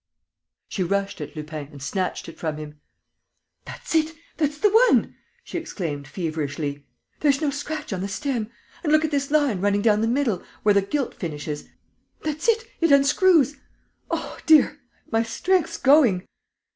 She rushed at Lupin and snatched it from him: "That's it; that's the one!" she exclaimed, feverishly. "There's no scratch on the stem! And look at this line running down the middle, where the gilt finishes.... That's it; it unscrews!... Oh, dear, my strength's going!..."